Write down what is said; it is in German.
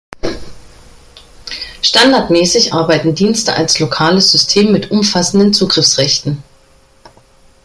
Standardmäßig arbeiten Dienste als "lokales System" mit umfassenden Zugriffsrechten.